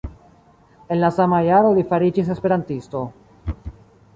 En la sama jaro li fariĝis esperantisto.